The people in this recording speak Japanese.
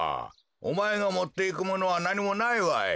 おまえがもっていくものはなにもないわい。